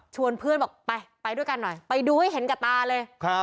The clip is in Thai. เพื่อนบอกไปไปด้วยกันหน่อยไปดูให้เห็นกับตาเลย